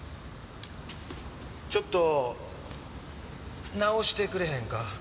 ちょっと直してくれへんか？